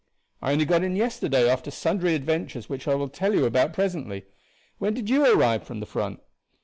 "I only got in yesterday after sundry adventures which I will tell you about presently. When did you arrive from the front?"